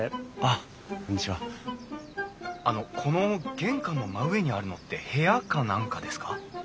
あのこの玄関の真上にあるのって部屋か何かですか？